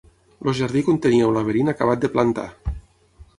El jardí contenia un laberint acabat de plantar.